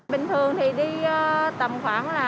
bình thường thì đi tầm khoảng là